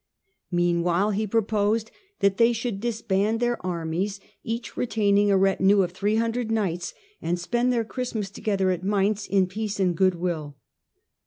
Meanwhile he pro posed that they should disband their armies, each retain ing a retinue of 300 knights, and spend their Christmas together at Mainz in peace and good will.